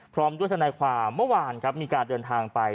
พร้อมด้วยทนายความเมื่อวานครับมีการเดินทางไป